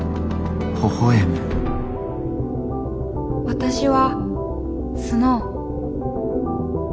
私はスノウ。